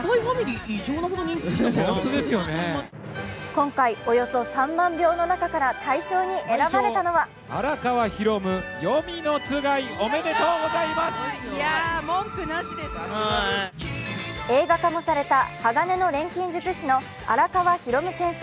今回、およそ３万票の中から大賞に選ばれたのは映画化もされた「鋼の錬金術師」の荒川弘先生